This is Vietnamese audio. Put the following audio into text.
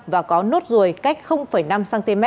và có nốt ruồi cách năm cm